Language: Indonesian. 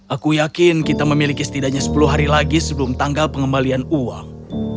aku yakin kita memiliki setidaknya sepuluh hari lagi sebelum tanggal pengembalian uang